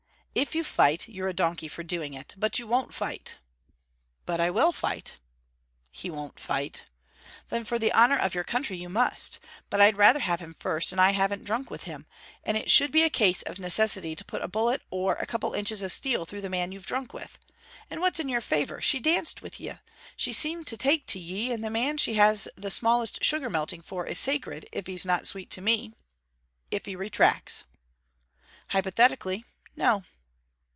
'If you fight, you're a donkey for doing it. But you won't fight.' 'But I will fight.' 'He won't fight.' 'Then for the honour of your country you must. But I'd rather have him first, for I haven't drunk with him, and it should be a case of necessity to put a bullet or a couple of inches of steel through the man you've drunk with. And what's in your favour, she danced with ye. She seemed to take to ye, and the man she has the smallest sugar melting for is sacred if he's not sweet to me. If he retracts!' 'Hypothetically, No.'